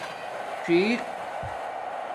څِیق